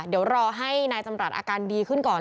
เดี๋ยวรอให้นายจำรัฐอาการดีขึ้นก่อน